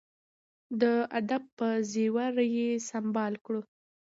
د ادب په زیور یې سمبال کړو.